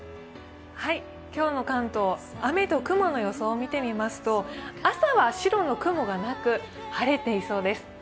今日の関東、雨と雲の予想を見てみますと、朝は白の雲がなく晴れていそうです。